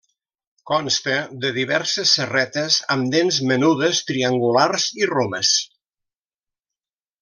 Consta de diverses serretes amb dents menudes, triangulars i romes.